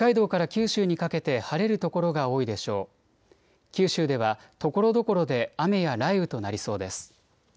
九州ではところどころで雨や雷雨となりそうです。